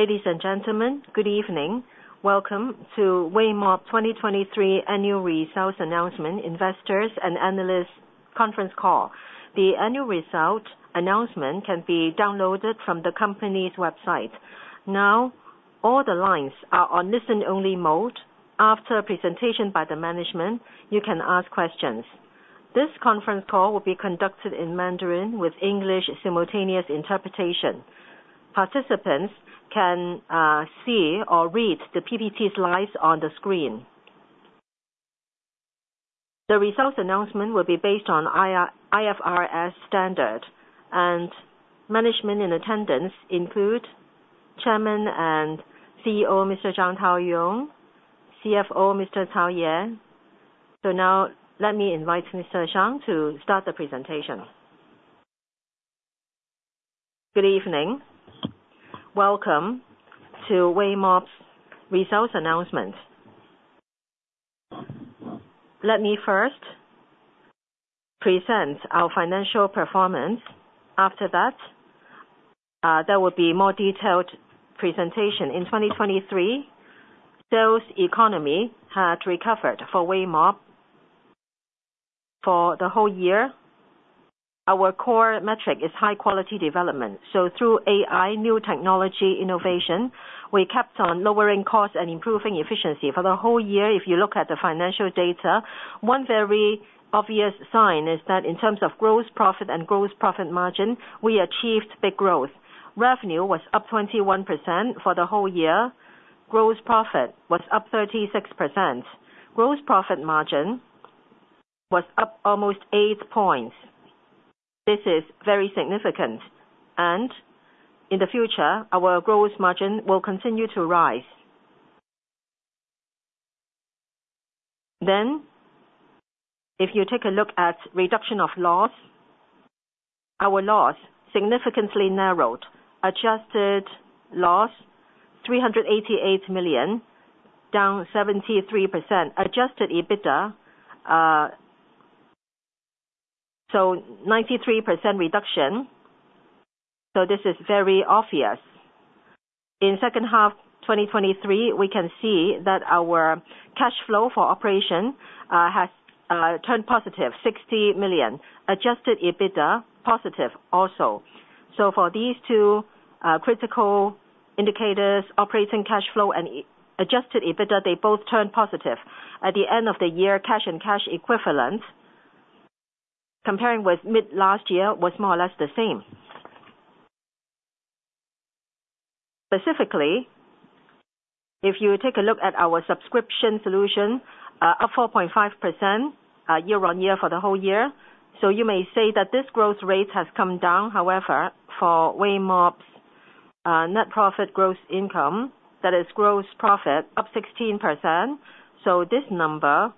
Ladies and gentlemen, good evening. Welcome to Weimob 2023 Annual Results Announcement Investors and Analysts Conference Call. The annual result announcement can be downloaded from the company's website. Now, all the lines are on listen-only mode. After a presentation by the management, you can ask questions. This conference call will be conducted in Mandarin with English simultaneous interpretation. Participants can see or read the PPT slides on the screen. The results announcement will be based on IFRS standard, and management in attendance include Chairman and CEO Mr. Sun Taoyong, CFO Mr. Cao Yi. So now let me invite Mr. Sun Taoyong to start the presentation. Good evening. Welcome to Weimob's results announcement. Let me first present our financial performance. After that, there will be a more detailed presentation. In 2023, China's economy had recovered for Weimob for the whole year. Our core metric is high-quality development. So through AI, new technology, innovation, we kept on lowering costs and improving efficiency for the whole year. If you look at the financial data, one very obvious sign is that in terms of gross profit and gross profit margin, we achieved big growth. Revenue was up 21% for the whole year. Gross profit was up 36%. Gross profit margin was up almost 8 points. This is very significant. And in the future, our gross margin will continue to rise. Then, if you take a look at reduction of loss, our loss significantly narrowed. Adjusted loss 388 million, down 73%. Adjusted EBITDA, so 93% reduction. So this is very obvious. In H2 2023, we can see that our cash flow for operation has turned positive, 60 million. Adjusted EBITDA positive also. So for these two critical indicators, operating cash flow and adjusted EBITDA, they both turned positive. At the end of the year, cash and cash equivalents, comparing with mid-last year, was more or less the same. Specifically, if you take a look at our Subscription Solution, up 4.5% year-on-year for the whole year. So you may say that this growth rate has come down. However, for Weimob's net profit gross income, that is gross profit, up 16%. So this number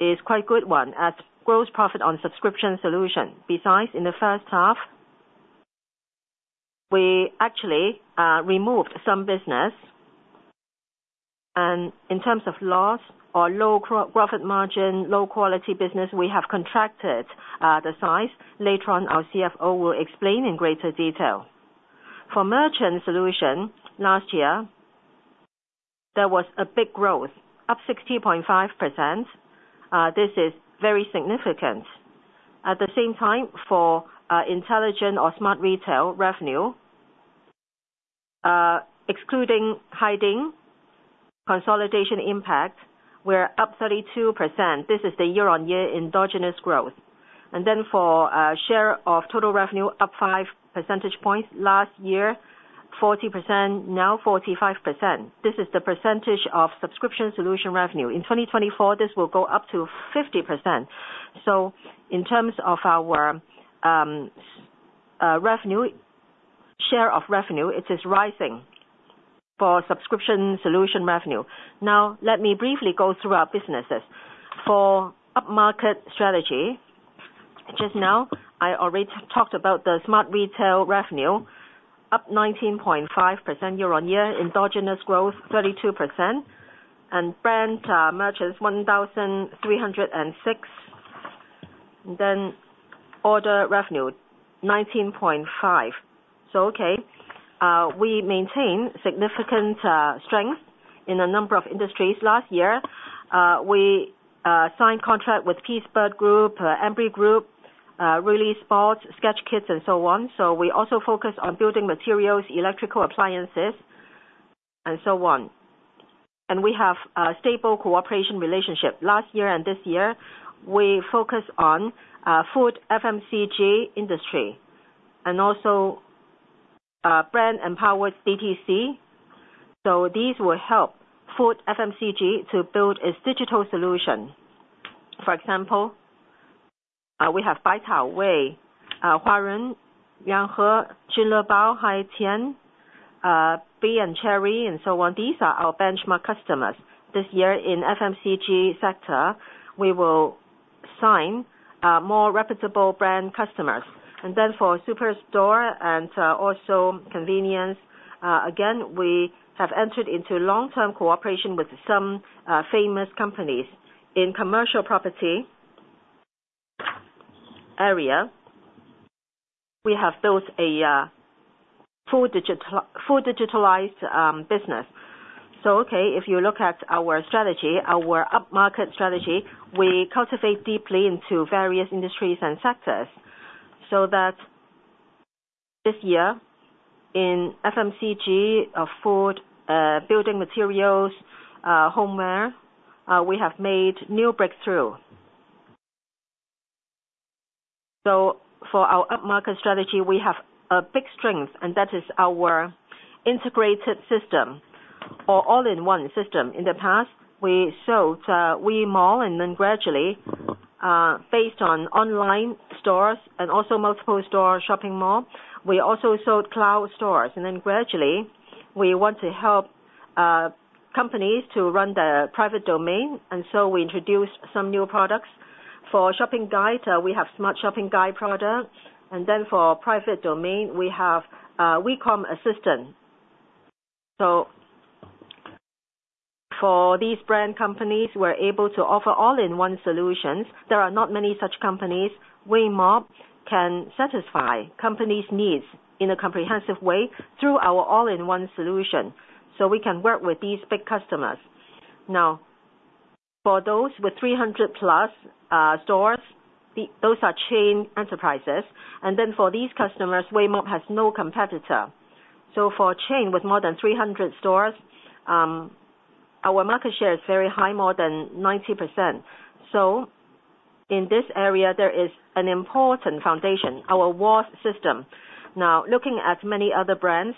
is quite a good one as gross profit on Subscription Solution. Besides, in the H1, we actually removed some business. And in terms of loss or low profit margin, low quality business, we have contracted the size. Later on, our CFO will explain in greater detail. For Merchant Solutions, last year, there was a big growth, up 16.5%. This is very significant. At the same time, for intelligent or Smart Retail revenue, excluding Haiding consolidation impact, we're up 32%. This is the year-on-year endogenous growth. Then for share of total revenue, up 5 percentage points. Last year, 40%, now 45%. This is the percentage of Subscription Solution revenue. In 2024, this will go up to 50%. So in terms of our revenue, share of revenue, it is rising for Subscription Solution revenue. Now, let me briefly go through our businesses. For upmarket strategy, just now, I already talked about the Smart Retail revenue, up 19.5% year-on-year, endogenous growth 32%, and brand merchants 1,306. And then order revenue 19.5%. So okay, we maintained significant strength in a number of industries. Last year, we signed contract with Peacebird Group, Embry Group, 361sport, Skechers Kids, and so on. So we also focus on building materials, electrical appliances, and so on. And we have a stable cooperation relationship. Last year and this year, we focus on food FMCG industry and also brand empowered DTC. So these will help food FMCG to build its digital solution. For example, we have Baicaowei, Huarun, Yanghe, Junlebao, Haitian, Be & Cheery, and so on. These are our benchmark customers. This year in FMCG sector, we will sign more reputable brand customers. And then for superstore and also convenience, again, we have entered into long-term cooperation with some famous companies. In commercial property area, we have built a full digitalized business. So okay, if you look at our strategy, our upmarket strategy, we cultivate deeply into various industries and sectors. So that this year in FMCG of food, building materials, homeware, we have made new breakthroughs. So for our upmarket strategy, we have a big strength, and that is our integrated system or all-in-one system. In the past, we sold Wei Mall and then gradually based on online stores and also multiple store shopping mall. We also sold cloud stores. Then gradually, we want to help companies to run the private domain. So we introduced some new products. For shopping guides, we have smart shopping guide products. Then for private domain, we have WeCom Assistant. So for these brand companies, we're able to offer all-in-one solutions. There are not many such companies. Weimob can satisfy companies' needs in a comprehensive way through our all-in-one solution. So we can work with these big customers. Now, for those with 300+ stores, those are chain enterprises. Then for these customers, Weimob has no competitor. So for chain with more than 300 stores, our market share is very high, more than 90%. So in this area, there is an important foundation, our WOS system. Now, looking at many other brands,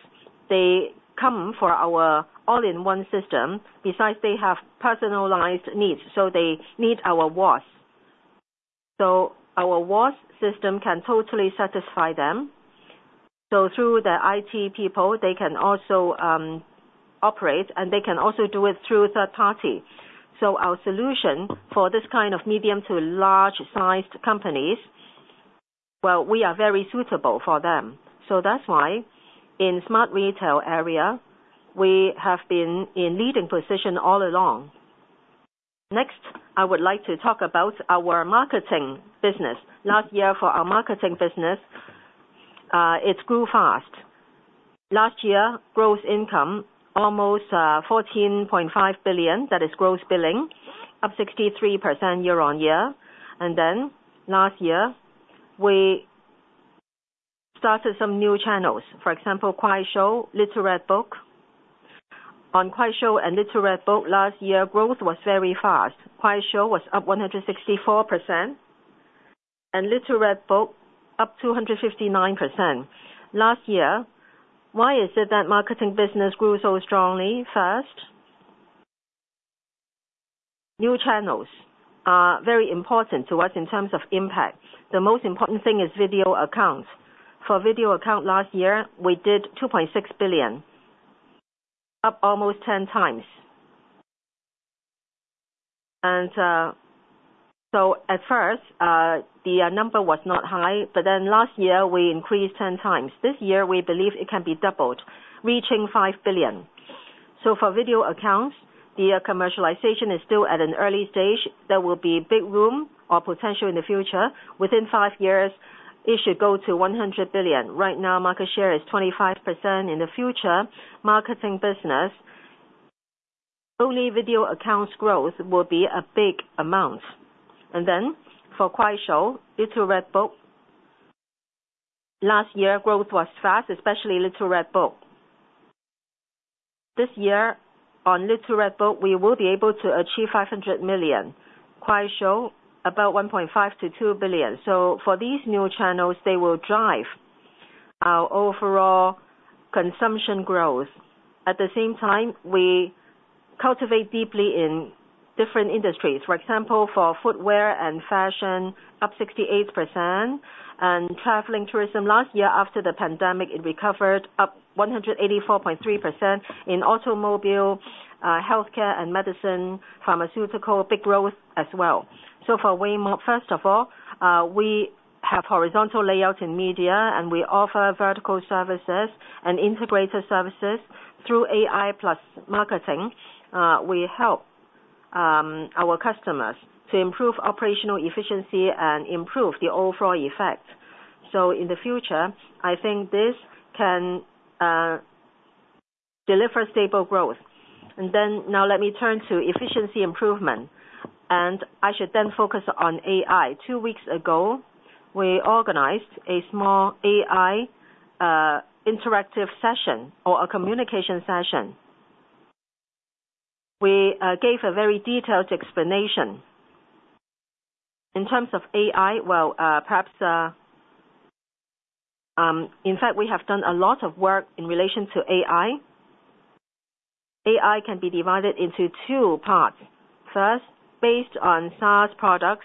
they come for our all-in-one system. Besides, they have personalized needs. So they need our WOS. So our WOS system can totally satisfy them. So through the IT people, they can also operate, and they can also do it through third party. So our solution for this kind of medium to large-sized companies, well, we are very suitable for them. So that's why in Smart Retail area, we have been in leading position all along. Next, I would like to talk about our marketing business. Last year, for our marketing business, it grew fast. Last year, gross income almost 14.5 billion. That is gross billing, up 63% year-over-year. And then last year, we started some new channels. For example, Kuaishou, Little Red Book. On Kuaishou and Little Red Book, last year, growth was very fast. Kuaishou was up 164% and Little Red Book up 259%. Last year, why is it that marketing business grew so strongly? First, new channels are very important to us in terms of impact. The most important thing is video accounts. For video account last year, we did 2.6 billion, up almost 10x And so at first, the number was not high, but then last year, we increased 10x. This year, we believe it can be doubled, reaching 5 billion. So for video accounts, the commercialization is still at an early stage. There will be big room or potential in the future. Within five years, it should go to 100 billion. Right now, market share is 25%. In the future, marketing business, only video accounts growth will be a big amount. And then for Kuaishou, Little Red Book, last year, growth was fast, especially Little Red Book. This year, on Little Red Book, we will be able to achieve 500 million. Kuaishou, about 1.5 billion-2 billion. So for these new channels, they will drive our overall consumption growth. At the same time, we cultivate deeply in different industries. For example, for footwear and fashion, up 68%. And traveling tourism, last year after the pandemic, it recovered, up 184.3%. In automobile, healthcare and medicine, pharmaceutical, big growth as well. So for Weimob, first of all, we have horizontal layout in media, and we offer vertical services and integrated services through AI+marketing. We help our customers to improve operational efficiency and improve the overall effect. So in the future, I think this can deliver stable growth. And then now let me turn to efficiency improvement. And I should then focus on AI. Two weeks ago, we organized a small AI interactive session or a communication session. We gave a very detailed explanation. In terms of AI, well, perhaps in fact, we have done a lot of work in relation to AI. AI can be divided into two parts. First, based on SaaS products,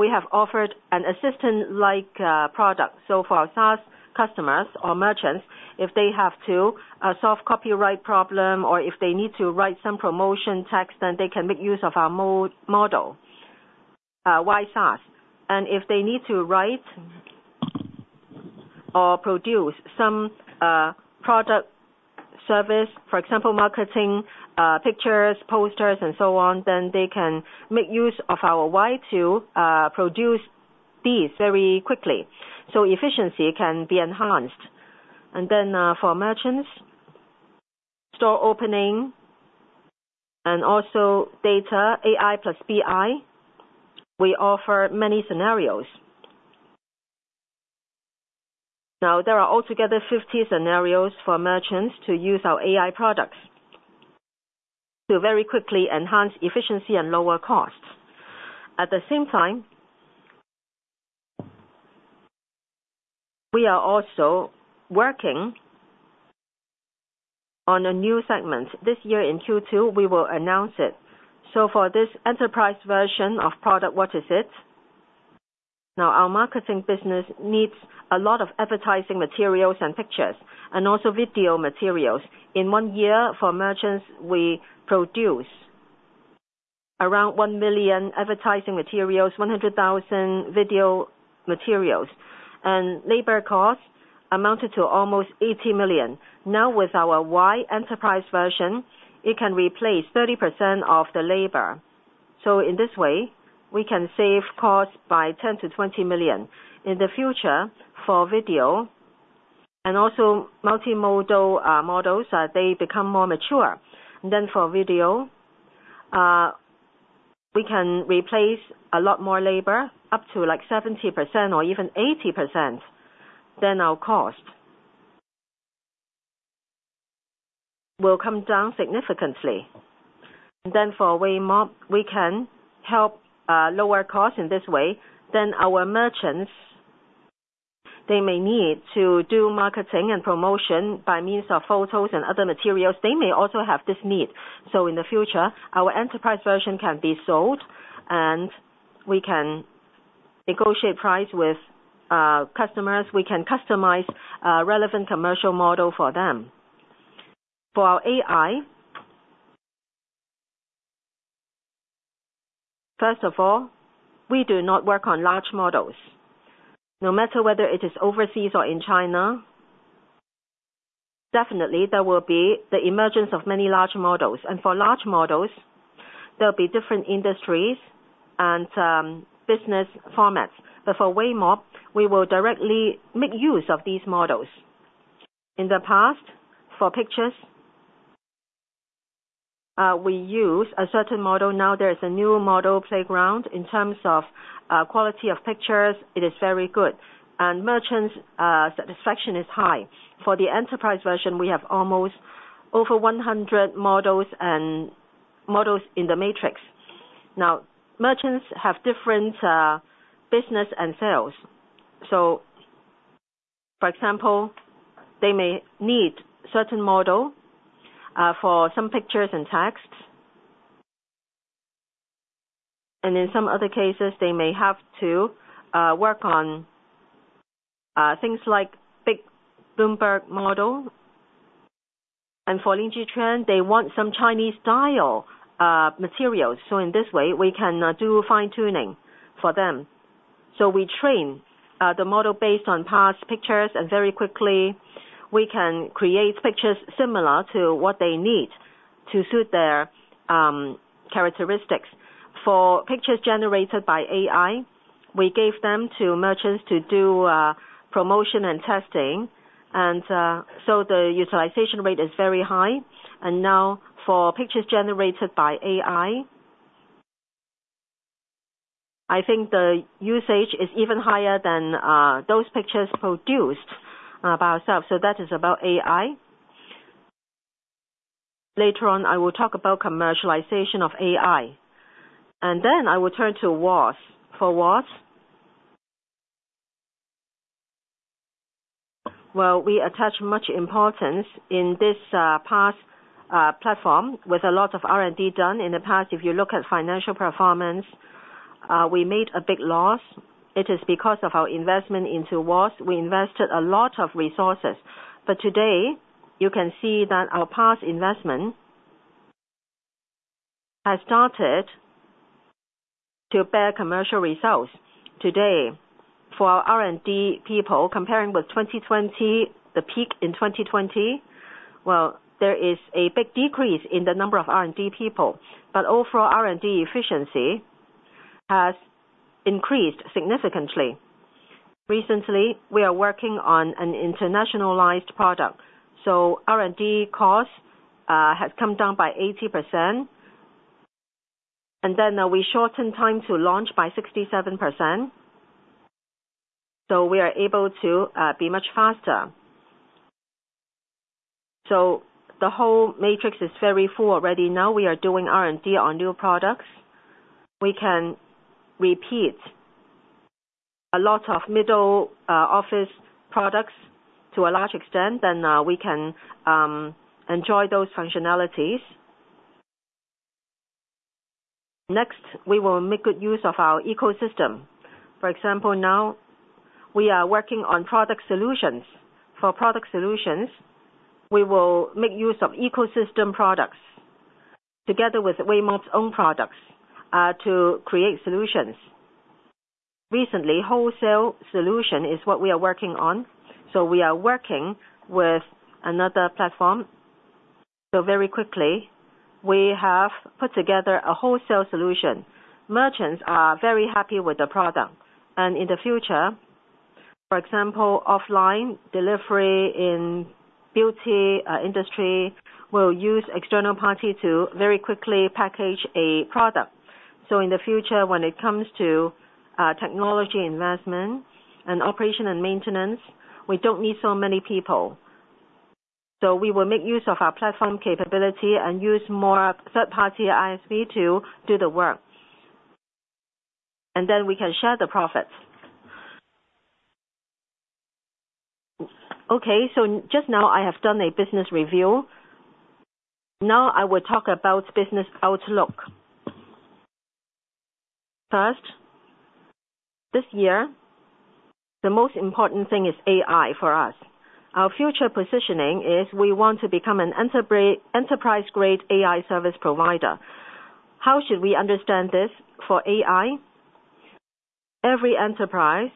we have offered an assistant-like product. So for our SaaS customers or merchants, if they have to solve copyright problem or if they need to write some promotion text, then they can make use of our model, WAI SaaS. And if they need to write or produce some product service, for example, marketing pictures, posters, and so on, then they can make use of our WAI to produce these very quickly. So efficiency can be enhanced. And then for merchants, store opening and also data, AI+BI, we offer many scenarios. Now, there are altogether 50 scenarios for merchants to use our AI products to very quickly enhance efficiency and lower costs. At the same time, we are also working on a new segment. This year in Q2, we will announce it. So for this enterprise version of product, what is it? Now, our marketing business needs a lot of advertising materials and pictures and also video materials. In one year, for merchants, we produce around 1 million advertising materials, 100,000 video materials. And labor costs amounted to almost 80 million. Now, with our WAI Enterprise Version, it can replace 30% of the labor. So in this way, we can save costs by 10 million-20 million. In the future, for video and also multimodal models, they become more mature. And then for video, we can replace a lot more labor, up to like 70% or even 80%. Then our cost will come down significantly. And then for Weimob, we can help lower costs in this way. Our merchants, they may need to do marketing and promotion by means of photos and other materials. They may also have this need. So in the future, our enterprise version can be sold, and we can negotiate price with customers. We can customize relevant commercial model for them. For our AI, first of all, we do not work on large models. No matter whether it is overseas or in China, definitely there will be the emergence of many large models. And for large models, there will be different industries and business formats. But for Weimob, we will directly make use of these models. In the past, for pictures, we used a certain model. Now, there is a new model playground in terms of quality of pictures. It is very good. And merchants' satisfaction is high. For the enterprise version, we have almost over 100 models and models in the matrix. Now, merchants have different business and sales. So for example, they may need certain model for some pictures and texts. In some other cases, they may have to work on things like big language model. For Lin Qingxuan, they want some Chinese-style materials. So in this way, we can do fine-tuning for them. So we train the model based on past pictures, and very quickly, we can create pictures similar to what they need to suit their characteristics. For pictures generated by AI, we gave them to merchants to do promotion and testing. So the utilization rate is very high. Now for pictures generated by AI, I think the usage is even higher than those pictures produced by ourselves. So that is about AI. Later on, I will talk about commercialization of AI. Then I will turn to WOS. For WOS, well, we attach much importance to this PaaS platform with a lot of R&D done. In the past, if you look at financial performance, we made a big loss. It is because of our investment into WOS. We invested a lot of resources. But today, you can see that our past investment has started to bear commercial results. Today, for our R&D people, comparing with 2020, the peak in 2020, well, there is a big decrease in the number of R&D people. But overall, R&D efficiency has increased significantly. Recently, we are working on an internationalized product. So R&D costs have come down by 80%. And then we shortened time to launch by 67%. So we are able to be much faster. So the whole matrix is very full already. Now, we are doing R&D on new products. We can repeat a lot of middle office products to a large extent. Then we can enjoy those functionalities. Next, we will make good use of our ecosystem. For example, now we are working on product solutions. For product solutions, we will make use of ecosystem products together with Weimob's own products to create solutions. Recently, wholesale solution is what we are working on. So we are working with another platform. So very quickly, we have put together a wholesale solution. Merchants are very happy with the product. And in the future, for example, offline delivery in beauty industry will use external party to very quickly package a product. So in the future, when it comes to technology investment and operation and maintenance, we don't need so many people. We will make use of our platform capability and use more third-party ISV to do the work. Then we can share the profits. Okay. Just now, I have done a business review. Now, I will talk about business outlook. First, this year, the most important thing is AI for us. Our future positioning is we want to become an enterprise-grade AI service provider. How should we understand this for AI? Every enterprise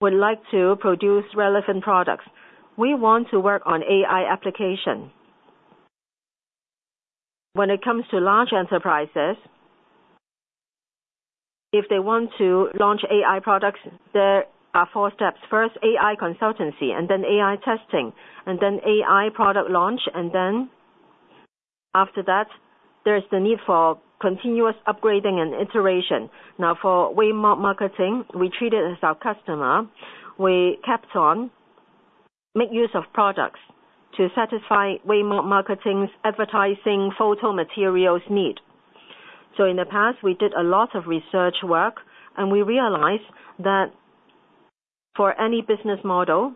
would like to produce relevant products. We want to work on AI application. When it comes to large enterprises, if they want to launch AI products, there are four steps. First, AI consultancy, and then AI testing, and then AI product launch. Then after that, there is the need for continuous upgrading and iteration. Now, for Weimob marketing, we treated it as our customer. We kept on, make use of products to satisfy Weimob marketing's advertising photo materials need. In the past, we did a lot of research work, and we realized that for any business model,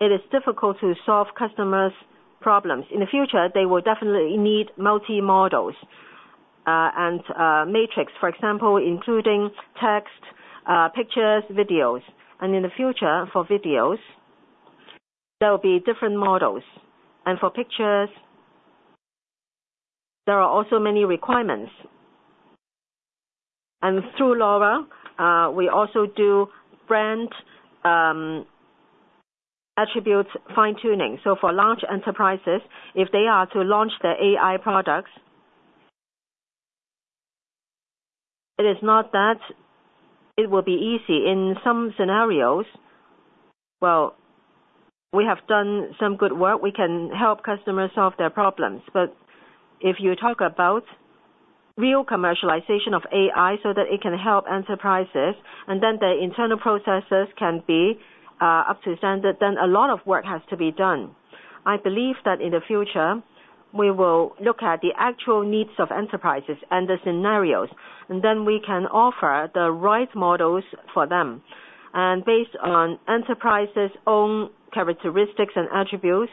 it is difficult to solve customers' problems. In the future, they will definitely need multimodals and matrix, for example, including text, pictures, videos. In the future, for videos, there will be different models. For pictures, there are also many requirements. Through LoRA, we also do brand attributes fine-tuning. For large enterprises, if they are to launch their AI products, it is not that it will be easy. In some scenarios, well, we have done some good work. We can help customers solve their problems. But if you talk about real commercialization of AI so that it can help enterprises, and then the internal processes can be up to standard, then a lot of work has to be done. I believe that in the future, we will look at the actual needs of enterprises and the scenarios. And then we can offer the right models for them. And based on enterprises' own characteristics and attributes,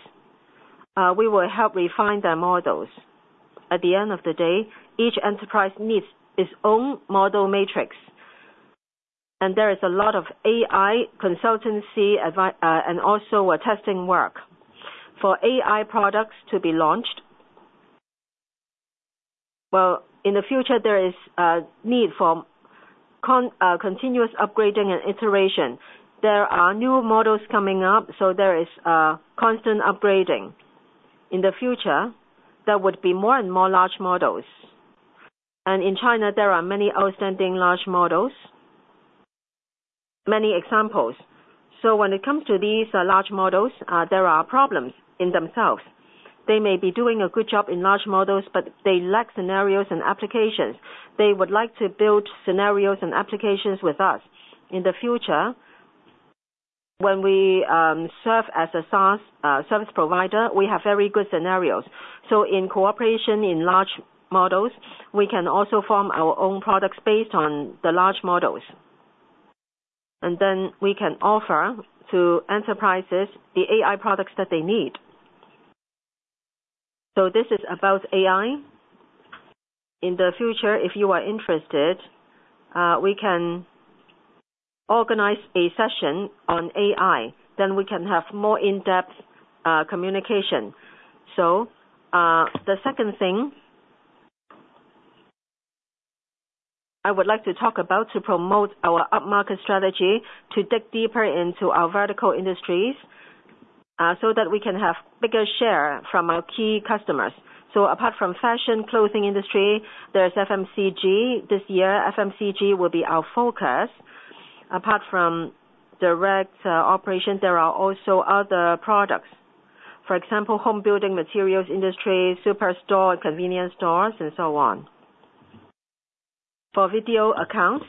we will help refine their models. At the end of the day, each enterprise needs its own model matrix. And there is a lot of AI consultancy and also testing work for AI products to be launched. Well, in the future, there is a need for continuous upgrading and iteration. There are new models coming up. So there is constant upgrading. In the future, there would be more and more large models. In China, there are many outstanding large models, many examples. When it comes to these large models, there are problems in themselves. They may be doing a good job in large models, but they lack scenarios and applications. They would like to build scenarios and applications with us. In the future, when we serve as a SaaS service provider, we have very good scenarios. In cooperation in large models, we can also form our own products based on the large models. Then we can offer to enterprises the AI products that they need. This is about AI. In the future, if you are interested, we can organize a session on AI. We can have more in-depth communication. So the second thing I would like to talk about to promote our upmarket strategy to dig deeper into our vertical industries so that we can have bigger share from our key customers. So apart from fashion, clothing industry, there is FMCG this year. FMCG will be our focus. Apart from direct operation, there are also other products. For example, home building materials industry, superstore and convenience stores, and so on. For video accounts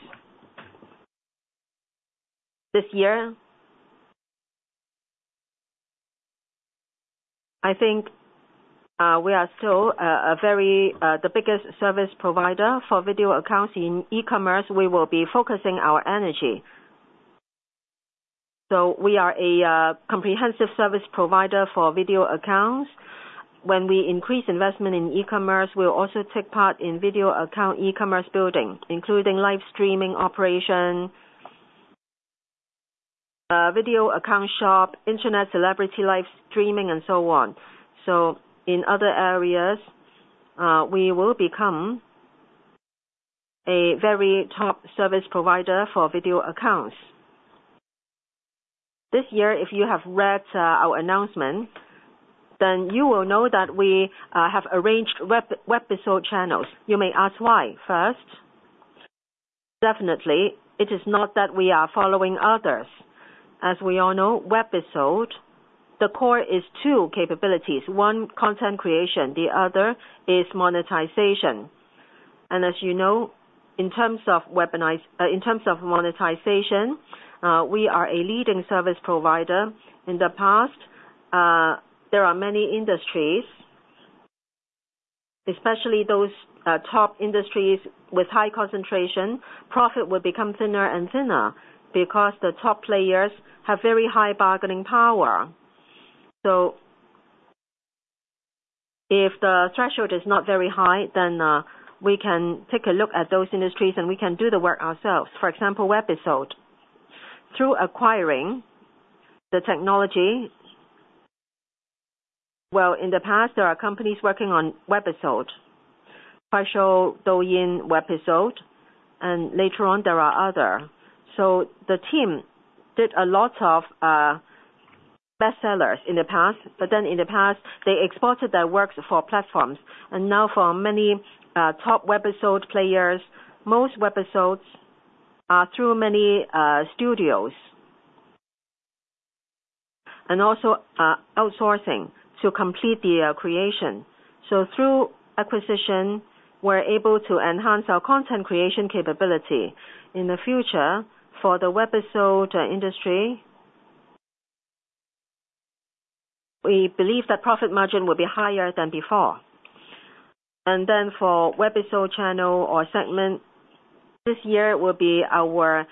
this year, I think we are still the biggest service provider for video accounts in e-commerce. We will be focusing our energy. So we are a comprehensive service provider for video accounts. When we increase investment in e-commerce, we will also take part in video account e-commerce building, including live streaming operation, video account shop, internet celebrity live streaming, and so on. So in other areas, we will become a very top service provider for video accounts. This year, if you have read our announcement, then you will know that we have arranged short drama channels. You may ask why. First, definitely, it is not that we are following others. As we all know, short dramas, the core is two capabilities. One, content creation. The other is monetization. And as you know, in terms of monetization, we are a leading service provider. In the past, there are many industries, especially those top industries with high concentration, profit will become thinner and thinner because the top players have very high bargaining power. So if the threshold is not very high, then we can take a look at those industries, and we can do the work ourselves. For example, short dramas. Through acquiring the technology, well, in the past, there are companies working on webisode, Kuaishou Douyin webisode. And later on, there are others. So the team did a lot of bestsellers in the past. But then in the past, they exported their works for platforms. And now for many top webisode players, most webisodes are through many studios and also outsourcing to complete the creation. So through acquisition, we're able to enhance our content creation capability. In the future, for the webisode industry, we believe that profit margin will be higher than before. And then for webisode channel or segment, this year will be our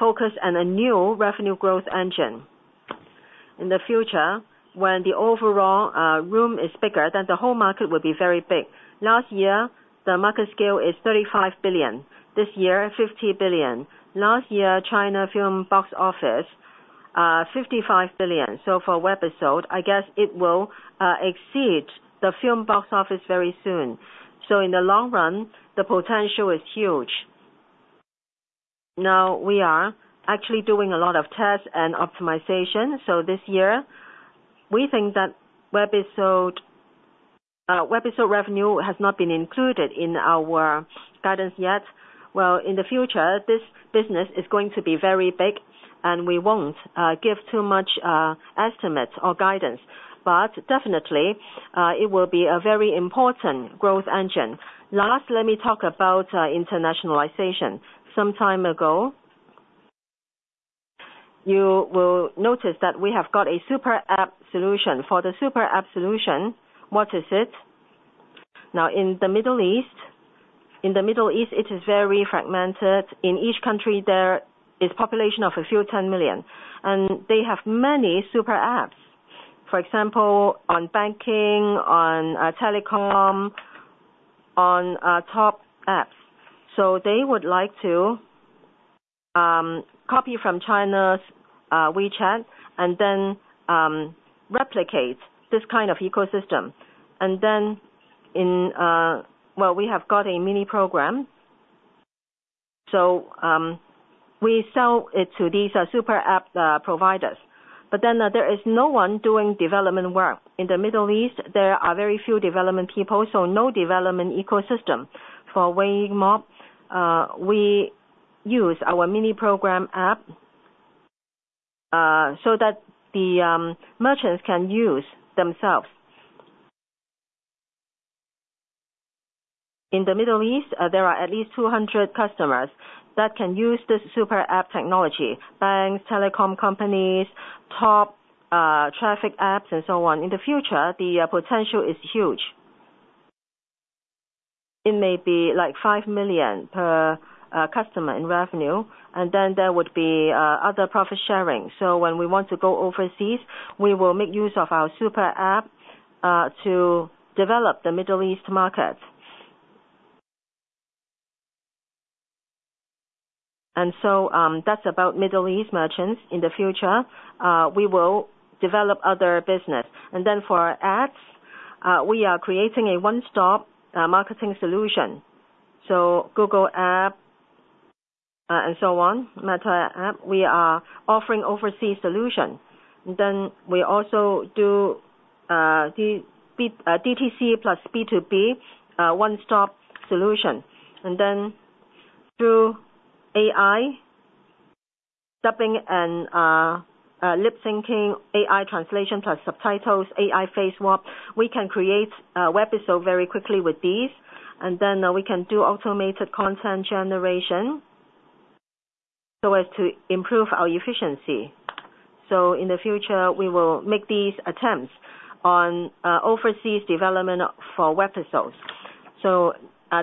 focus and a new revenue growth engine. In the future, when the overall room is bigger, then the whole market will be very big. Last year, the market scale is 35 billion. This year, 50 billion. Last year, China film box office, 55 billion. So for webisode, I guess it will exceed the film box office very soon. So in the long run, the potential is huge. Now, we are actually doing a lot of tests and optimization. So this year, we think that webisode revenue has not been included in our guidance yet. Well, in the future, this business is going to be very big, and we won't give too much estimates or guidance. But definitely, it will be a very important growth engine. Last, let me talk about internationalization. Some time ago, you will notice that we have got a SuperAPP solution. For the SuperAPP solution, what is it? Now, in the Middle East, in the Middle East, it is very fragmented. In each country, there is a population of a few 10 million. And they have many SuperAPP, for example, on banking, on telecom, on top apps. So they would like to copy from China's WeChat and then replicate this kind of ecosystem. And then in, well, we have got a Mini Program. So we sell it to these SuperAPP providers. But then there is no one doing development work. In the Middle East, there are very few development people. So no development ecosystem. For Weimob, we use our Mini Program app so that the merchants can use themselves. In the Middle East, there are at least 200 customers that can use this SuperAPP technology, banks, telecom companies, top traffic apps, and so on. In the future, the potential is huge. It may be like 5 million per customer in revenue. And then there would be other profit sharing. So when we want to go overseas, we will make use of our SuperAPP to develop the Middle East market. That's about Middle East merchants. In the future, we will develop other business. For ads, we are creating a one-stop marketing solution. Google Ads and so on, Meta Ads, we are offering overseas solution. We also do DTC+B2B one-stop solution. Through AI dubbing and lip-syncing, AI translation plus subtitles, AI face swap, we can create short dramas very quickly with these. We can do automated content generation so as to improve our efficiency. In the future, we will make these attempts on overseas development for short dramas.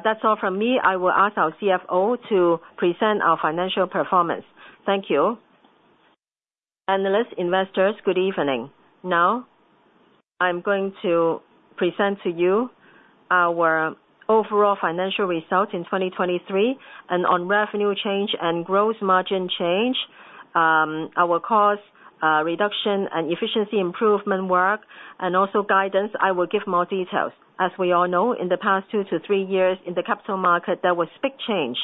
That's all from me. I will ask our CFO to present our financial performance. Thank you. Analysts, investors, good evening. Now, I'm going to present to you our overall financial result in 2023. On revenue change and gross margin change, our cost reduction and efficiency improvement work, and also guidance, I will give more details. As we all know, in the past two years-three years in the capital market, there was big change.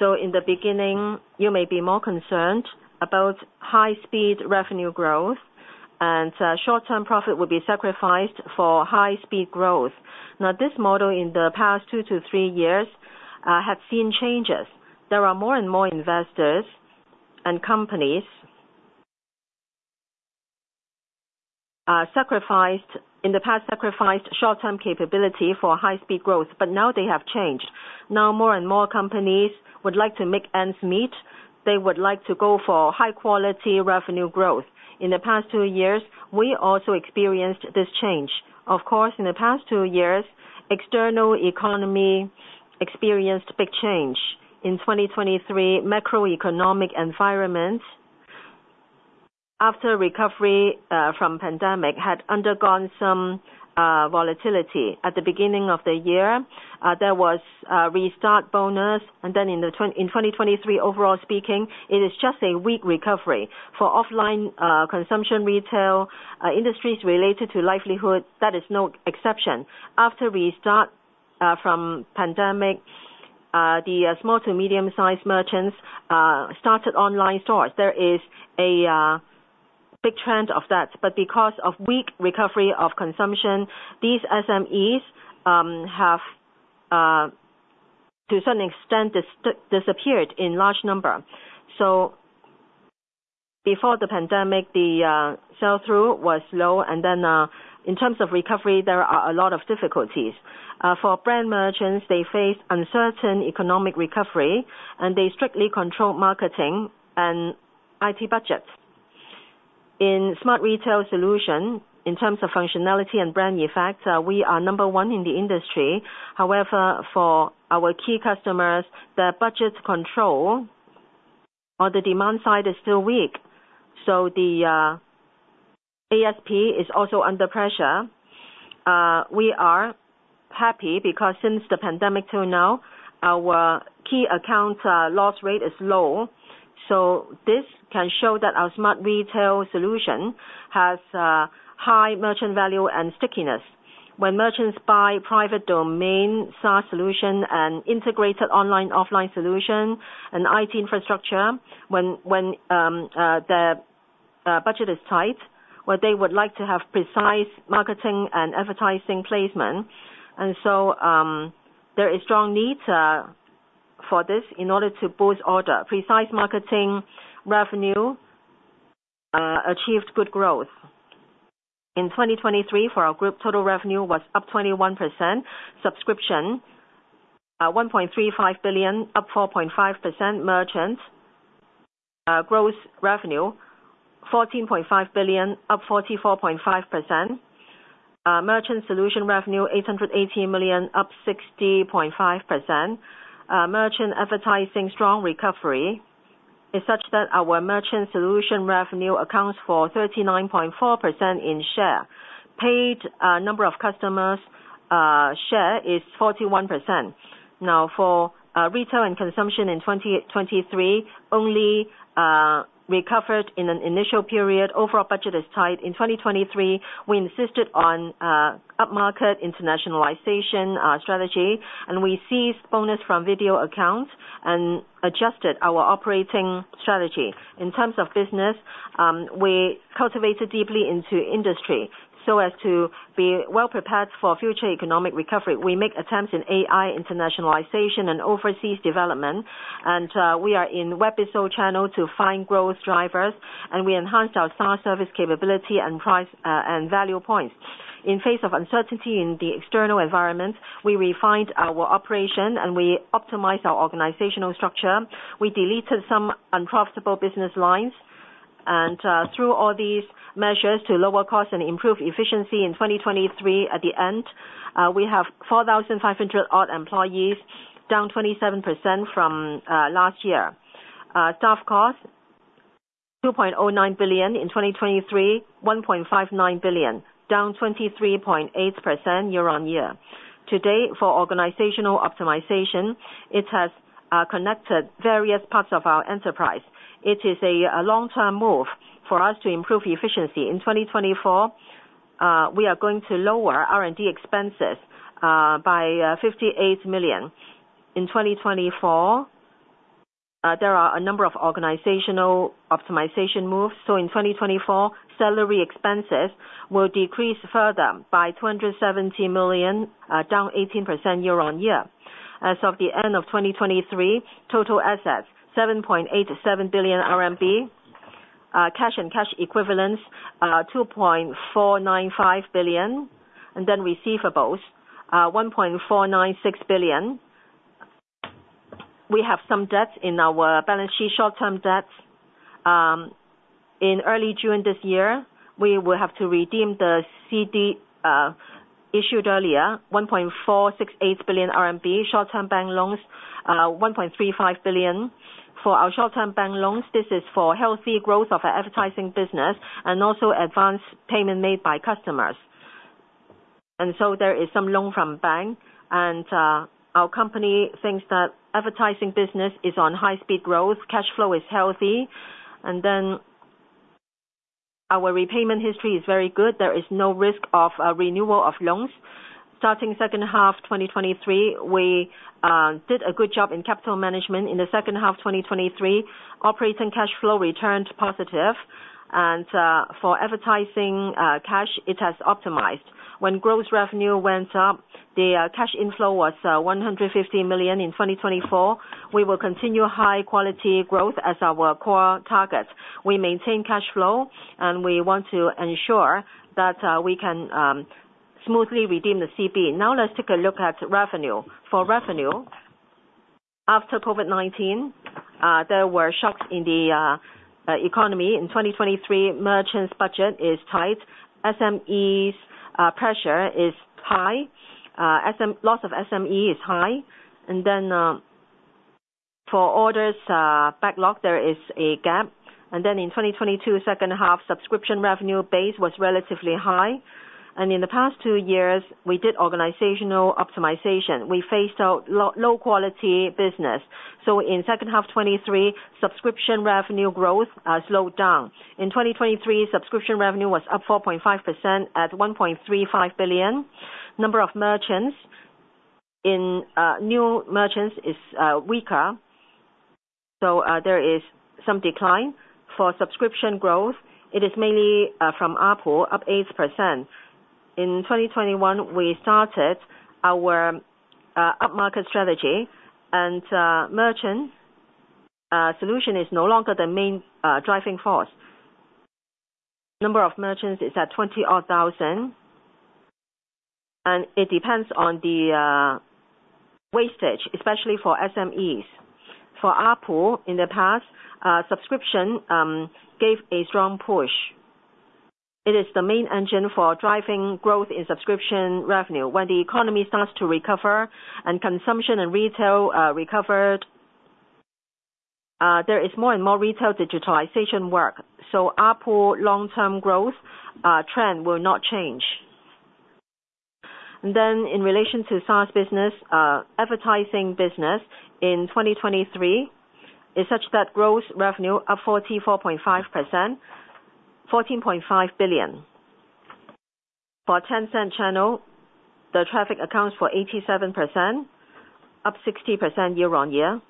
In the beginning, you may be more concerned about high-speed revenue growth. Short-term profit would be sacrificed for high-speed growth. Now, this model in the past two years-three years had seen changes. There are more and more investors and companies in the past sacrificed short-term capability for high-speed growth. Now they have changed. Now, more and more companies would like to make ends meet. They would like to go for high-quality revenue growth. In the past two years, we also experienced this change. Of course, in the past two years, external economy experienced big change. In 2023, macroeconomic environment after recovery from pandemic had undergone some volatility. At the beginning of the year, there was restart bonus. And then in 2023, overall speaking, it is just a weak recovery. For offline consumption retail industries related to livelihood, that is no exception. After restart from pandemic, the small to medium-sized merchants started online stores. There is a big trend of that. But because of weak recovery of consumption, these SMEs have to a certain extent disappeared in large number. So before the pandemic, the sell-through was low. And then in terms of recovery, there are a lot of difficulties. For brand merchants, they face uncertain economic recovery. And they strictly control marketing and IT budgets. In Smart Retail solution, in terms of functionality and brand effect, we are number one in the industry. However, for our key customers, the budget control on the demand side is still weak. So the ASP is also under pressure. We are happy because since the pandemic till now, our key account loss rate is low. So this can show that our Smart Retail solution has high merchant value and stickiness. When merchants buy private domain SaaS solution and integrated online-offline solution and IT infrastructure, when the budget is tight, well, they would like to have precise marketing and advertising placement. And so there is strong need for this in order to boost order. Precise marketing revenue achieved good growth. In 2023, for our group, total revenue was up 21%. Subscription, 1.35 billion, up 4.5%. Merchant gross revenue, 14.5 billion, up 44.5%. Merchant solutions revenue, 818 million, up 60.5%. Merchant advertising strong recovery is such that our Merchant Solutions revenue accounts for 39.4% in share. Paid number of customers' share is 41%. Now, for retail and consumption in 2023, only recovered in an initial period. Overall budget is tight. In 2023, we insisted on upmarket internationalization strategy. And we seized bonus from video accounts and adjusted our operating strategy. In terms of business, we cultivated deeply into industry so as to be well prepared for future economic recovery. We make attempts in AI internationalization and overseas development. And we are in webisode channel to find growth drivers. And we enhanced our SaaS service capability and price and value points. In face of uncertainty in the external environment, we refined our operation. And we optimized our organizational structure. We deleted some unprofitable business lines. And through all these measures to lower costs and improve efficiency in 2023, at the end, we have 4,500-odd employees, down 27% from last year. Staff cost, 2.09 billion. In 2023, 1.59 billion, down 23.8% year-on-year. Today, for organizational optimization, it has connected various parts of our enterprise. It is a long-term move for us to improve efficiency. In 2024, we are going to lower R&D expenses by 58 million. In 2024, there are a number of organizational optimization moves. So in 2024, salary expenses will decrease further by 270 million, down 18% year-on-year. As of the end of 2023, total assets, 7.87 billion RMB. Cash and cash equivalents, 2.495 billion. And then receivables, 1.496 billion. We have some debt in our balance sheet, short-term debt. In early June this year, we will have to redeem the CB issued earlier, 1.468 billion RMB, short-term bank loans, 1.35 billion. For our short-term bank loans, this is for healthy growth of our advertising business and also advanced payment made by customers. And so there is some loan from bank. Our company thinks that advertising business is on high-speed growth. Cash flow is healthy. Our repayment history is very good. There is no risk of renewal of loans. Starting H2 2023, we did a good job in capital management. In the H2 2023, operating cash flow returned positive. For advertising cash, it has optimized. When gross revenue went up, the cash inflow was 150 million in 2024. We will continue high-quality growth as our core target. We maintain cash flow. We want to ensure that we can smoothly redeem the CB. Now, let's take a look at revenue. For revenue, after COVID-19, there were shocks in the economy. In 2023, merchants' budget is tight. SMEs' pressure is high. Loss of SME is high. For orders backlog, there is a gap. Then in 2022, H2, subscription revenue base was relatively high. In the past two years, we did organizational optimization. We phased out low-quality business. In H2 2023, subscription revenue growth slowed down. In 2023, subscription revenue was up 4.5% at 1.35 billion. Number of merchants in new merchants is weaker. There is some decline for subscription growth. It is mainly from ARPU, up 8%. In 2021, we started our upmarket strategy. Merchant Solutions is no longer the main driving force. Number of merchants is at 20,000. It depends on the wastage, especially for SMEs. For ARPU, in the past, subscription gave a strong push. It is the main engine for driving growth in subscription revenue. When the economy starts to recover and consumption and retail recovered, there is more and more retail digitalization work. So ARPU long-term growth trend will not change. Then in relation to SaaS business, advertising business in 2023 is such that gross revenue up 44.5%, CNY 14.5 billion. For Tencent channel, the traffic accounts for 87%, up 60% year-on-year.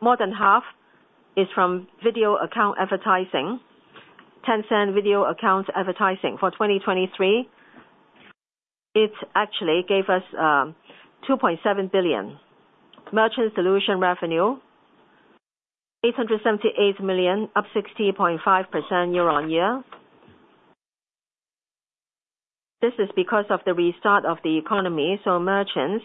More than half is from video account advertising. Tencent video account advertising for 2023, it actually gave us 2.7 billion. Merchant Solutions revenue, 878 million, up 60.5% year-on-year. This is because of the restart of the economy. So merchants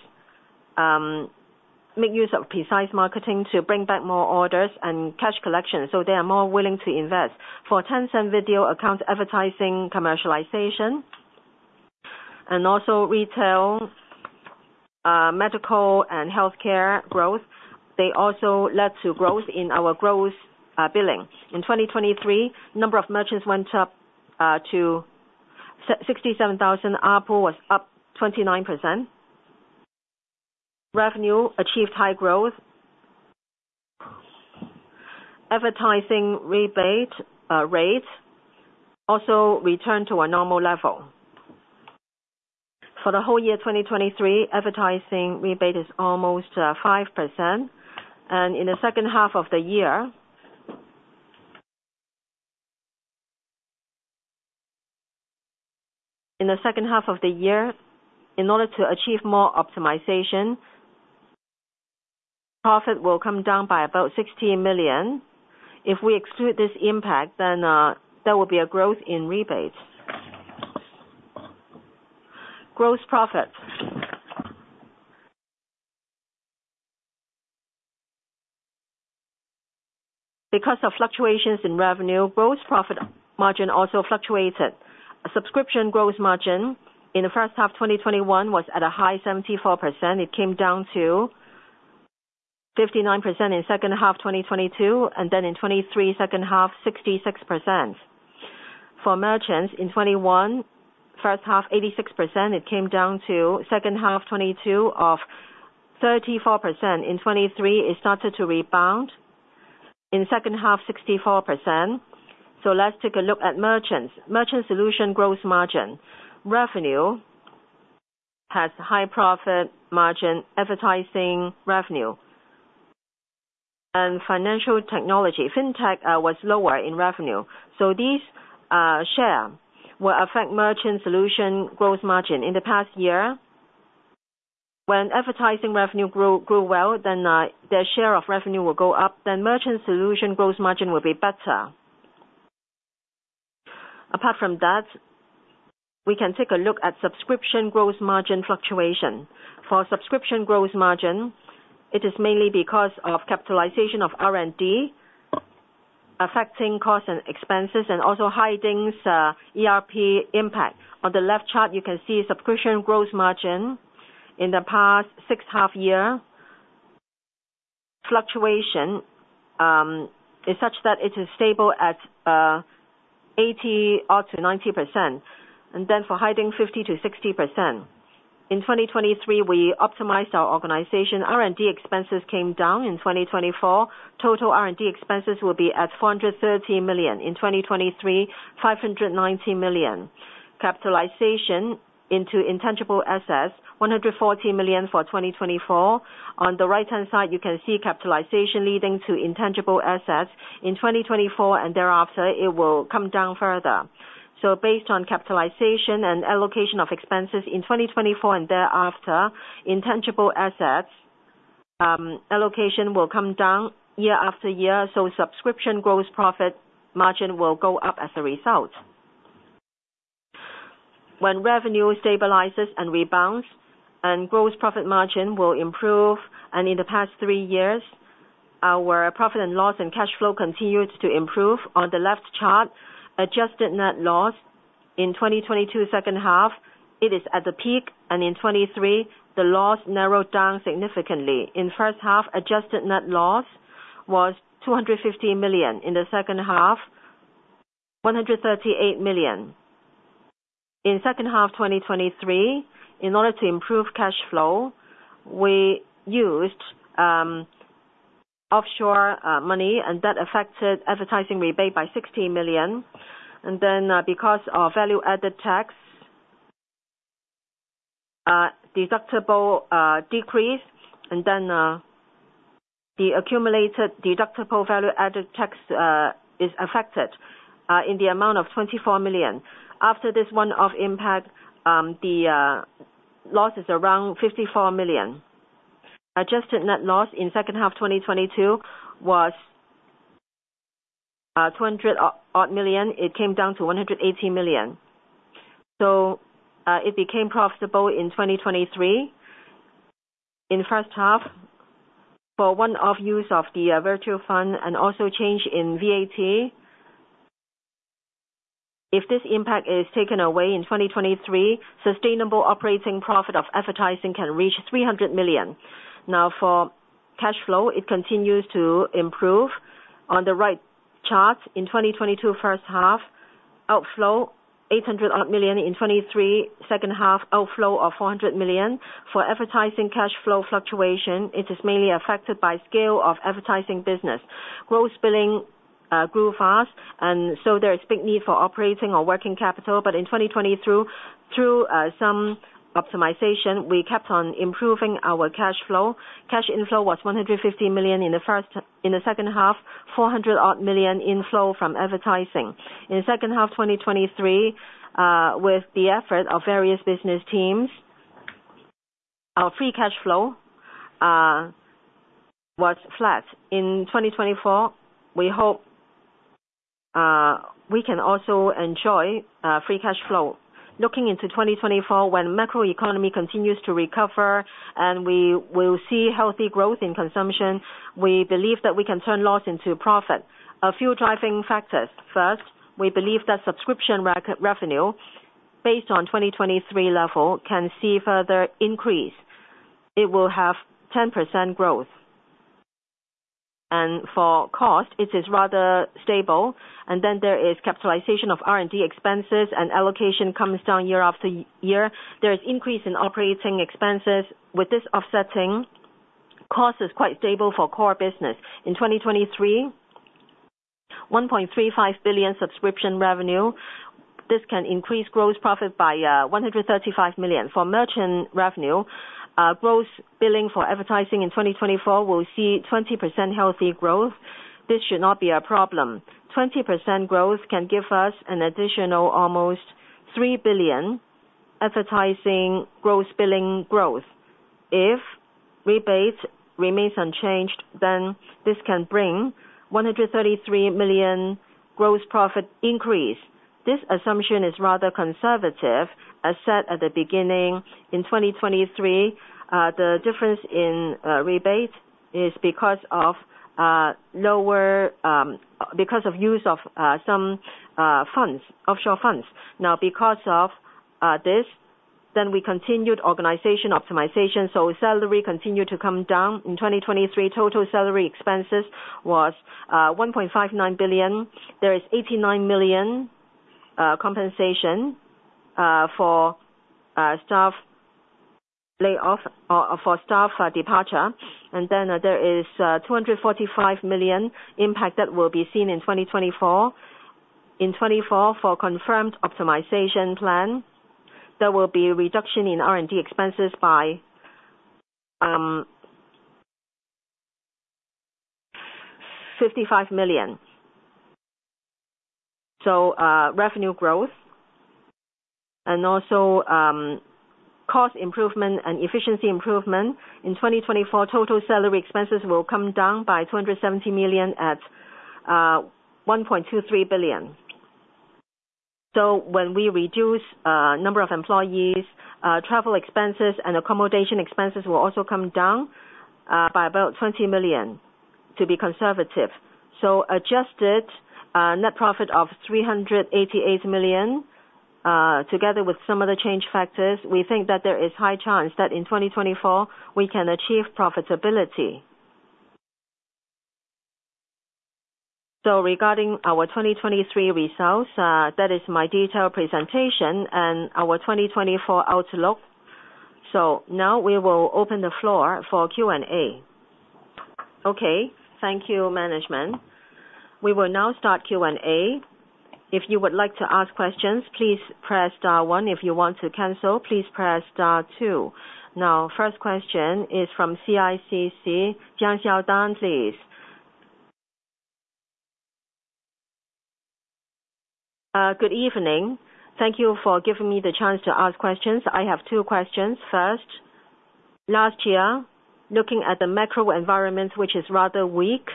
make use of precise marketing to bring back more orders and cash collection. So they are more willing to invest. For Tencent video account advertising commercialization and also retail, medical, and healthcare growth, they also led to growth in our gross billing. In 2023, number of merchants went up to 67,000. ARPU was up 29%. Revenue achieved high growth. Advertising rebate rate also returned to a normal level. For the whole year 2023, advertising rebate is almost 5%. And in the H2 of the year, in the H2 of the year, in order to achieve more optimization, profit will come down by about 16 million. If we exclude this impact, then there will be a growth in rebates. Gross profit, because of fluctuations in revenue, gross profit margin also fluctuated. Subscription gross margin in the H1 2021 was at a high 74%. It came down to 59% in H2 2022. And then in 2023, H2, 66%. For merchants in 2021, H1 86%. It came down to H2 2022 of 34%. In 2023, it started to rebound. In H2, 64%. So let's take a look at merchants. Merchant Solutions gross margin, revenue has high profit margin, advertising revenue. And financial technology, fintech was lower in revenue. These shares will affect Merchant Solutions gross margin. In the past year, when advertising revenue grew well, then their share of revenue will go up. Then Merchant Solutions gross margin will be better. Apart from that, we can take a look at Subscription Solutions gross margin fluctuation. For Subscription Solutions gross margin, it is mainly because of capitalization of R&D affecting costs and expenses and also the ERP impact. On the left chart, you can see Subscription Solutions gross margin in the past six and a1/2 year fluctuation is such that it is stable at 80-odd to 90%. And then for 2023 50%-60%. In 2023, we optimized our organization. R&D expenses came down. In 2024, total R&D expenses will be at 430 million. In 2023, 590 million. Capitalization into intangible assets, 140 million for 2024. On the right-hand side, you can see capitalization leading to intangible assets in 2024 and thereafter. It will come down further. Based on capitalization and allocation of expenses in 2024 and thereafter, intangible assets allocation will come down year-after-year. So subscription gross profit margin will go up as a result. When revenue stabilizes and rebounds, gross profit margin will improve. In the past three years, our profit and loss and cash flow continued to improve. On the left chart, adjusted net loss in 2022 H2 is at the peak. In 2023, the loss narrowed down significantly. In H1, adjusted net loss was 250 million. In the H2, 138 million. In H2 2023, in order to improve cash flow, we used offshore money. That affected advertising rebate by 16 million. Then because of value-added tax deductible decrease, and then the accumulated deductible value-added tax is affected in the amount of 24 million. After this one-off impact, the loss is around 54 million. Adjusted net loss in H2 2022 was 200+ million. It came down to 180 million. So it became profitable in 2023. In H1, for one-off use of the virtual fund and also change in VAT, if this impact is taken away in 2023, sustainable operating profit of advertising can reach 300 million. Now, for cash flow, it continues to improve. On the right chart, in 2022 H1, outflow 800+ million. In 2023 H2, outflow of 400 million. For advertising cash flow fluctuation, it is mainly affected by scale of advertising business. Gross billing grew fast. And so there is big need for operating or working capital. But in 2022, through some optimization, we kept on improving our cash flow. Cash inflow was 150 million in the H2, 400-odd million inflow from advertising. In H2 2023, with the effort of various business teams, our free cash flow was flat. In 2024, we hope we can also enjoy free cash flow. Looking into 2024, when macroeconomy continues to recover and we will see healthy growth in consumption, we believe that we can turn loss into profit. A few driving factors. First, we believe that subscription revenue based on 2023 level can see further increase. It will have 10% growth. And for cost, it is rather stable. And then there is capitalization of R&D expenses and allocation comes down year after year. There is increase in operating expenses. With this offsetting, cost is quite stable for core business. In 2023, 1.35 billion subscription revenue. This can increase gross profit by 135 million. For Merchant revenue, gross billing for advertising in 2024 will see 20% healthy growth. This should not be a problem. 20% growth can give us an additional almost 3 billion advertising gross billing growth. If rebates remain unchanged, then this can bring 133 million gross profit increase. This assumption is rather conservative as set at the beginning. In 2023, the difference in rebate is because of lower because of use of some funds, offshore funds. Now, because of this, then we continued organization optimization. So salary continued to come down. In 2023, total salary expenses was 1.59 billion. There is 89 million compensation for staff layoff or for staff departure. And then there is 245 million impact that will be seen in 2024. In 2024, for confirmed optimization plan, there will be reduction in R&D expenses by CNY 55 million. So revenue growth and also cost improvement and efficiency improvement. In 2024, total salary expenses will come down by 270 million at 1.23 billion. So when we reduce number of employees, travel expenses and accommodation expenses will also come down by about 20 million to be conservative. So adjusted net profit of 388 million together with some other change factors, we think that there is high chance that in 2024, we can achieve profitability. So regarding our 2023 results, that is my detailed presentation and our 2024 outlook. So now we will open the floor for Q&A. Okay, thank you management. We will now start Q&A. If you would like to ask questions, please press star one. If you want to cancel, please press star two. Now, first question is from CICC, Zhang Xiaodan, please. Good evening. Thank you for giving me the chance to ask questions. I have two questions. First, last year, looking at the macro environment, which is rather weak,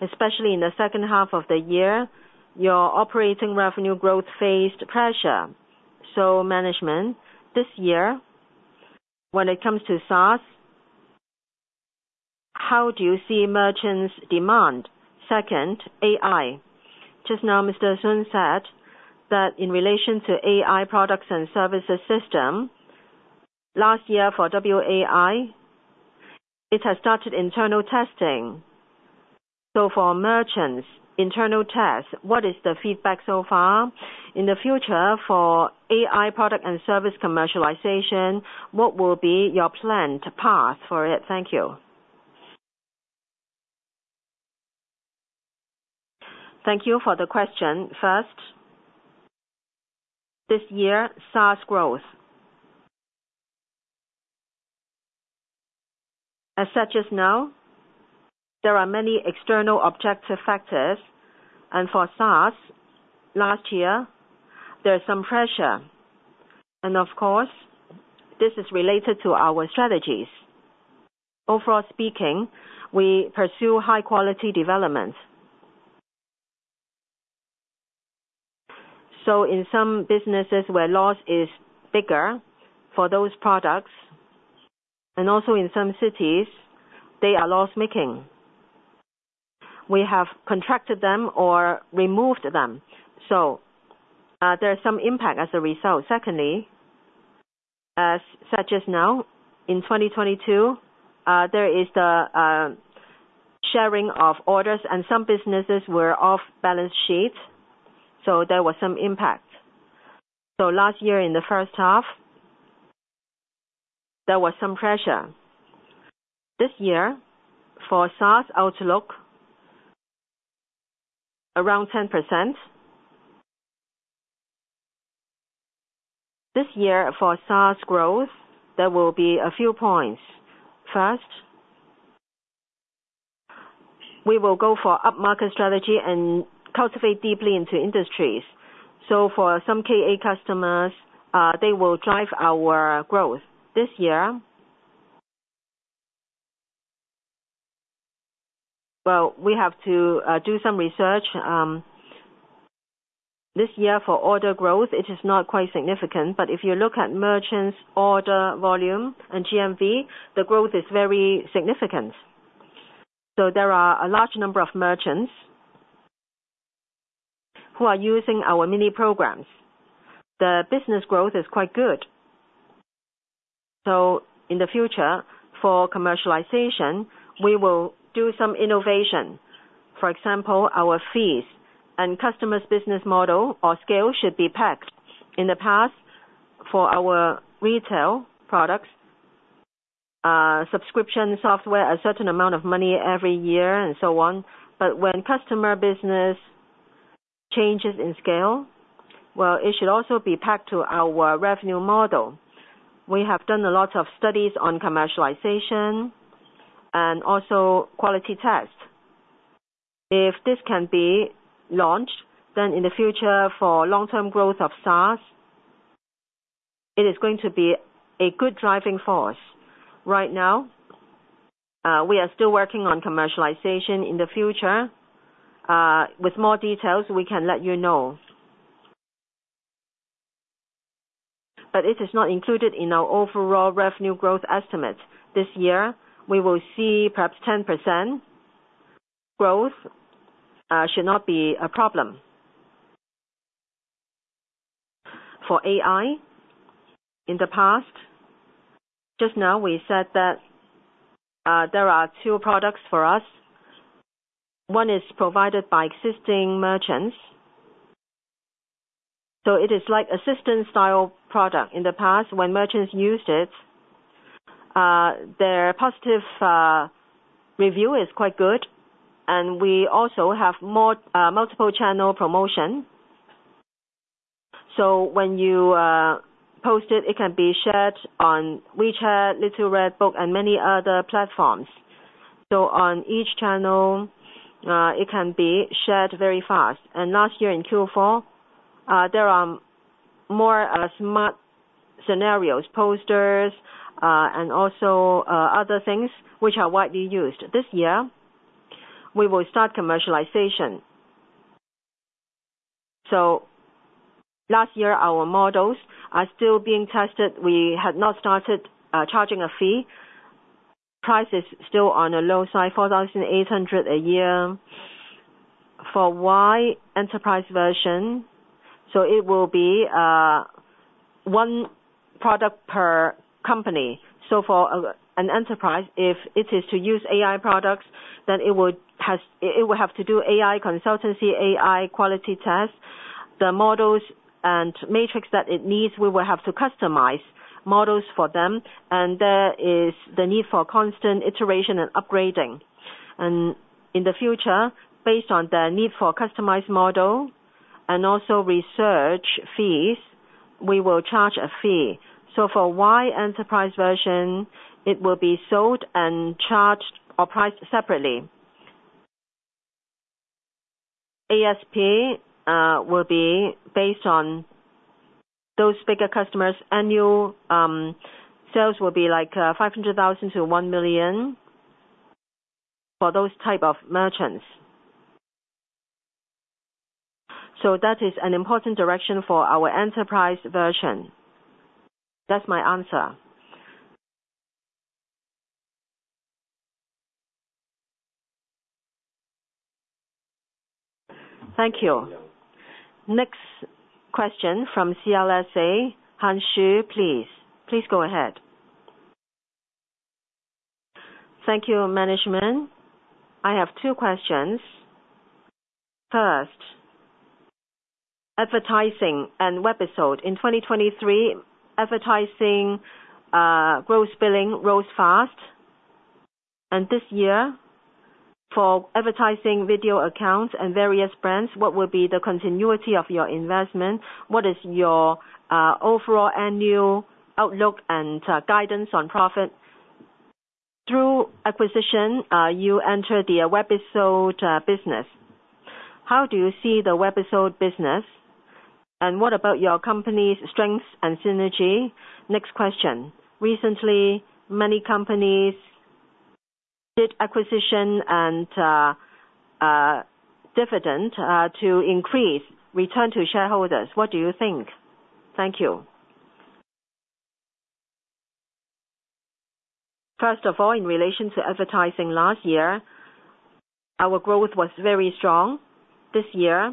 especially in the H2 of the year, your operating revenue growth faced pressure. So management, this year, when it comes to SaaS, how do you see merchants' demand? Second, AI. Just now, Mr. Sun Taoyong said that in relation to AI products and services system, last year for WAI, it has started internal testing. So for merchants, internal tests, what is the feedback so far? In the future, for AI product and service commercialization, what will be your planned path for it? Thank you. Thank you for the question. First, this year, SaaS growth. As such as now, there are many external objective factors. And for SaaS, last year, there is some pressure. And of course, this is related to our strategies. Overall speaking, we pursue high-quality development. So in some businesses where loss is bigger for those products, and also in some cities, they are loss-making. We have contracted them or removed them. So there is some impact as a result. Secondly, as such as now, in 2022, there is the sharing of orders and some businesses were off balance sheet. So there was some impact. So last year in the H1, there was some pressure. This year, for SaaS outlook, around 10%. This year for SaaS growth, there will be a few points. First, we will go for upmarket strategy and cultivate deeply into industries. So for some KA customers, they will drive our growth. This year, well, we have to do some research. This year for order growth, it is not quite significant. But if you look at merchants' order volume and GMV, the growth is very significant. There are a large number of merchants who are using our Mini Programs. The business growth is quite good. In the future, for commercialization, we will do some innovation. For example, our fees and customers' business model or scale should be packed. In the past, for our retail products, subscription software, a certain amount of money every year and so on. But when customer business changes in scale, well, it should also be packed to our revenue model. We have done a lot of studies on commercialization and also quality tests. If this can be launched, then in the future for long-term growth of SaaS, it is going to be a good driving force. Right now, we are still working on commercialization. In the future, with more details, we can let you know. But it is not included in our overall revenue growth estimate. This year, we will see perhaps 10% growth should not be a problem. For AI, in the past, just now we said that there are two products for us. One is provided by existing merchants. So it is like assistant-style product. In the past, when merchants used it, their positive review is quite good. And we also have more multiple-channel promotion. So when you post it, it can be shared on WeChat, Little Red Book, and many other platforms. So on each channel, it can be shared very fast. And last year in Q4, there are more smart scenarios, posters, and also other things, which are widely used. This year, we will start commercialization. So last year, our models are still being tested. We had not started charging a fee. Price is still on the low side, 4,800 a year. For WAI Enterprise Version, so it will be one product per company. So for an enterprise, if it is to use AI products, then it will have to do AI consultancy, AI quality tests. The models and matrix that it needs, we will have to customize models for them. And there is the need for constant iteration and upgrading. And in the future, based on the need for customized model and also research fees, we will charge a fee. So for WAI Enterprise Version, it will be sold and charged or priced separately. ASP will be based on those bigger customers. Annual sales will be like 500,000-1 million for those type of merchants. So that is an important direction for our enterprise version. That's my answer. Thank you. Next question from CLSA, Hans Fan, please. Please go ahead. Thank you, management. I have two questions. First, advertising and short drama. In 2023, advertising gross billing rose fast. This year, for advertising video accounts and various brands, what will be the continuity of your investment? What is your overall annual outlook and guidance on profit? Through acquisition, you entered the short drama business. How do you see the short drama business? And what about your company's strengths and synergy? Next question. Recently, many companies did acquisition and dividend to increase return to shareholders. What do you think? Thank you. First of all, in relation to advertising last year, our growth was very strong. This year,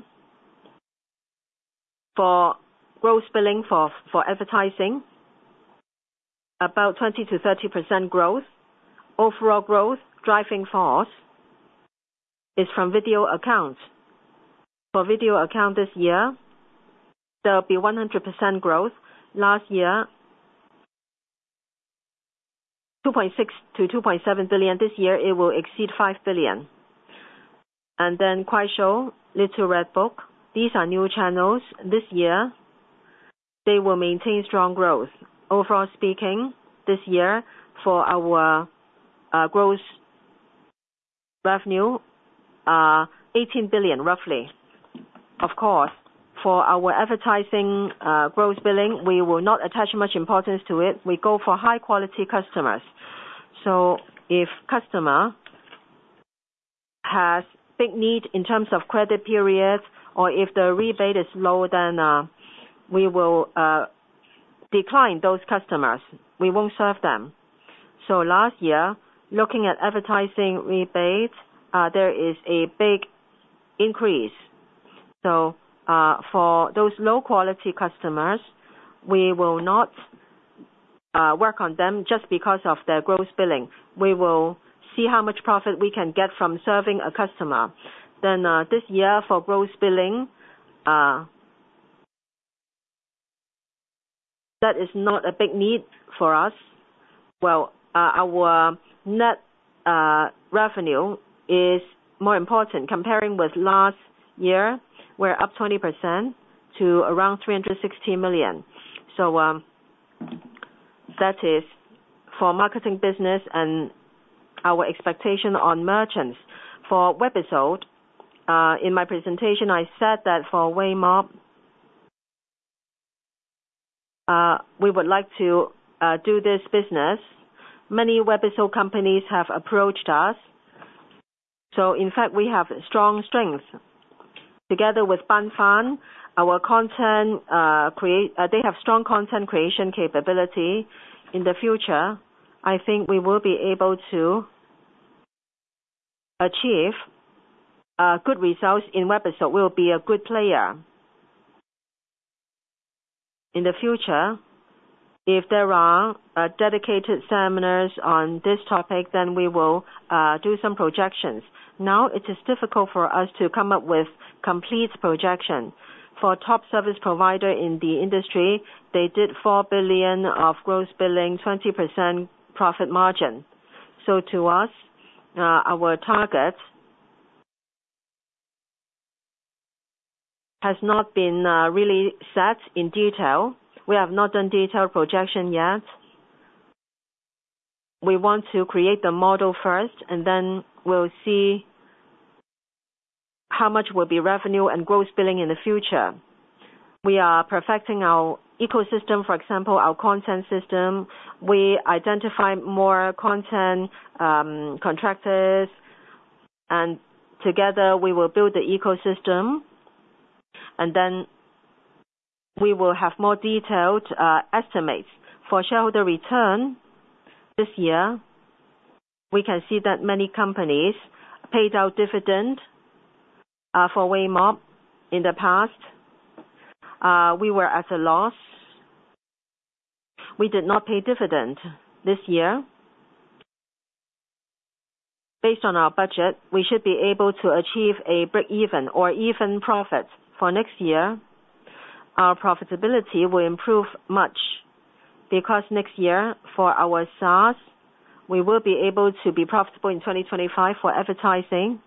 for gross billing for advertising, about 20%-30% growth. Overall growth driving force is from video accounts. For video account this year, there will be 100% growth. Last year, 2.6 billion-CNYY 2.7 billion. This year, it will exceed 5 billion. Then Kuaishou, Little Red Book, these are new channels. This year, they will maintain strong growth. Overall speaking, this year, for our gross revenue, 18 billion roughly. Of course, for our advertising gross billing, we will not attach much importance to it. We go for high-quality customers. So if a customer has big need in terms of credit periods or if the rebate is lower, then we will decline those customers. We won't serve them. So last year, looking at advertising rebates, there is a big increase. So for those low-quality customers, we will not work on them just because of their gross billing. We will see how much profit we can get from serving a customer. Then this year, for gross billing, that is not a big need for us. Well, our net revenue is more important. Comparing with last year, we're up 20% to around 360 million. So that is for marketing business and our expectation on merchants. For webisode, in my presentation, I said that for Weimob, we would like to do this business. Many webisode companies have approached us. So in fact, we have strong strengths. Together with Banfan, our content, they have strong content creation capability. In the future, I think we will be able to achieve good results in webisode. We will be a good player in the future. If there are dedicated seminars on this topic, then we will do some projections. Now, it is difficult for us to come up with complete projections. For top service provider in the industry, they did 4 billion of gross billing, 20% profit margin. So to us, our target has not been really set in detail. We have not done detailed projection yet. We want to create the model first and then we'll see how much will be revenue and gross billing in the future. We are perfecting our ecosystem. For example, our content system, we identify more content contractors. Together, we will build the ecosystem. Then we will have more detailed estimates. For shareholder return this year, we can see that many companies paid out dividend for Weimob in the past. We were at a loss. We did not pay dividend this year. Based on our budget, we should be able to achieve a break-even or even profit. For next year, our profitability will improve much. Because next year, for our SaaS, we will be able to be profitable in 2025 for advertising.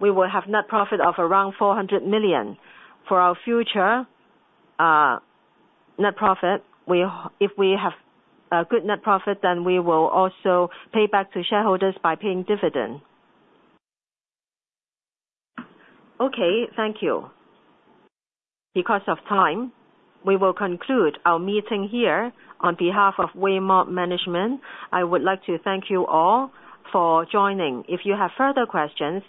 We will have net profit of around 400 million. For our future net profit, if we have good net profit, then we will also pay back to shareholders by paying dividend. Okay. Thank you. Because of time, we will conclude our meeting here on behalf of Weimob management. I would like to thank you all for joining. If you have further questions,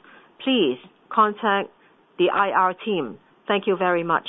please contact the IR team. Thank you very much.